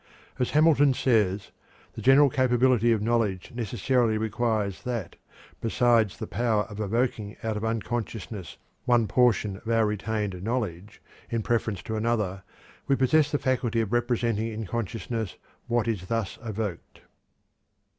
As Hamilton says: "The general capability of knowledge necessarily requires that, besides the power of evoking out of unconsciousness one portion of our retained knowledge in preference to another, we possess the faculty of representing in consciousness what is thus evoked."